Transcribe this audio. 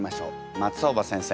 松尾葉先生